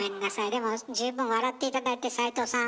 でも十分笑って頂いて斉藤さん